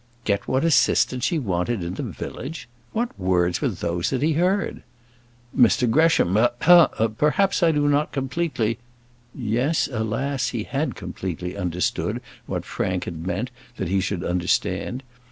Get what assistance she wanted in the village! What words were those that he heard? "Mr Gresham, eh hem perhaps I do not completely " Yes, alas! he had completely understood what Frank had meant that he should understand.